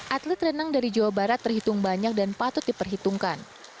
atlet renang dari jawa barat terhitung banyak dan patut diperhitungkan